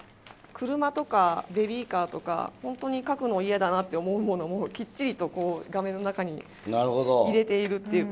車とかベビーカーとか、本当に描くの嫌だなと思うものも、きっちりと画面の中に入れているっていう。